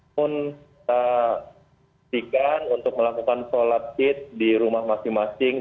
pun kita sifatkan untuk melakukan solatid di rumah masing masing